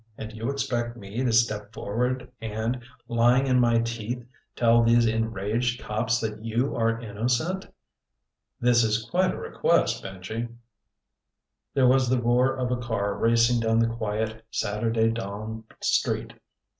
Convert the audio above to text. And you expect me to step forward and, lying in my teeth, tell these enraged cops that you are innocent. This is quite a request, Benji." There was the roar of a car racing down the quiet, Saturday dawn street.